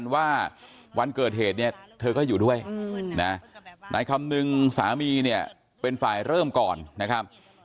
ว่าวันเกิดเหตุเนี่ยเธอก็อยู่ด้วยนะนายคำนึงสามีเนี่ยเป็นฝ่ายเริ่มก่อนนะครับ